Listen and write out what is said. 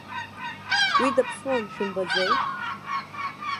Уи даԥсуан, шәымбаӡеи?